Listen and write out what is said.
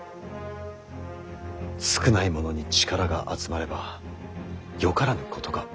少ない者に力が集まればよからぬことが起こる。